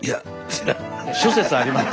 あ諸説あります。